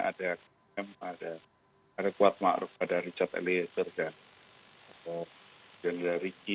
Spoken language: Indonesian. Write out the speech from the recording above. ada km ada rekuat ma'ruf ada richard eliezer dan jendela riki